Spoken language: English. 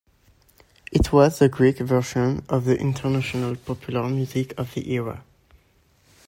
It was the Greek version of the international popular music of the era.